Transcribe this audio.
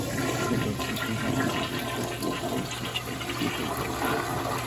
The overall design of the turret was also changed, becoming longer.